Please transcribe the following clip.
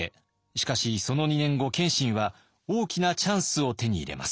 しかしその２年後謙信は大きなチャンスを手に入れます。